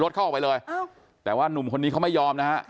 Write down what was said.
เข้าเอาออกไปเลยแต่ว่านุ่มคนนี้เค้าไม่ยอม